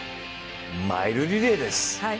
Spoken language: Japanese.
マイルリレーです。